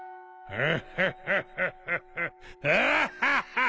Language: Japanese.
アッハハハ！